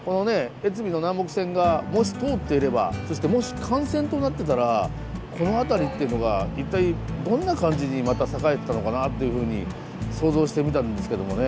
越美の南北線がもし通っていればそしてもし幹線となってたらこの辺りっていうのが一体どんな感じにまた栄えてたのかなっていうふうに想像してみたんですけどもね。